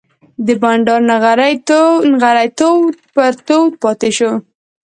د بانډار نغری تود پر تود پاتې شو.